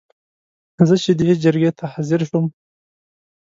زه چې دې جرګې ته حاضر شوم.